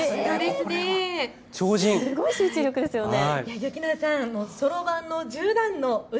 すごい集中力ですよね。